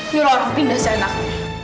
nyuruh orang pindah sama aku